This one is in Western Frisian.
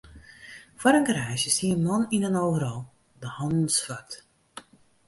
Foar in garaazje stie in man yn in overal, de hannen swart.